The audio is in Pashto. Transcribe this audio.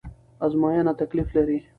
ازموينه تکليف لري